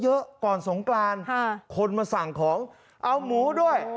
เยอะก่อนสงกรานคนมาสั่งของเอาหมูด้วย